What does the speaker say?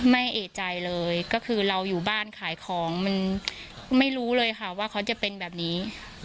ไม่เอกใจเลยก็คือเราอยู่บ้านขายของมันไม่รู้เลยค่ะว่าเขาจะเป็นแบบนี้